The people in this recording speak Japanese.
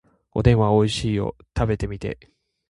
おでんはおいしいよ。食べてみて。